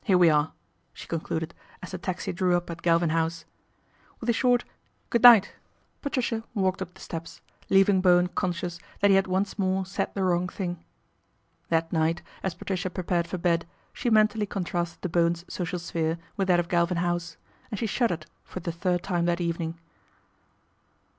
here we are," she concluded as the taxi drew up at Galvin House. With a short " good night J " i88 PATRICIA BRENT, SPINSTER Patricia walked up the steps, leaving Bowen conscious that he had once more said the wrong thing. That night, as Patricia prepared for bed, she mentally contrasted the Bowens' social sphere with that of Galvin House and she shuddered for the third time that evening.